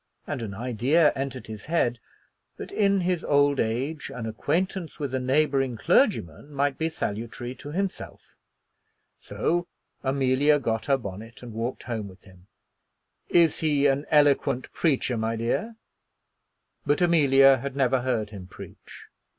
And an idea entered his head that in his old age an acquaintance with a neighboring clergyman might be salutary to himself. So Amelia got her bonnet and walked home with him. "Is he an eloquent preacher, my dear?" But Amelia had never heard him preach.